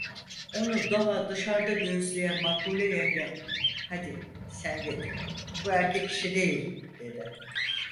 Onu daha dışarda göğüsleyen Makbule yenge: "Hadi, sen git… Bu erkek işi değil!" dedi.